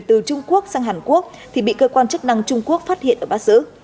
từ trung quốc sang hàn quốc thì bị cơ quan chức năng trung quốc phát hiện ở bát sứ